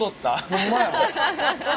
ほんまや。